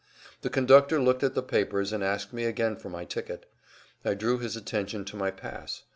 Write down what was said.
The conductor looked at the papers and asked me again for my ticket. I drew his attention to my pass.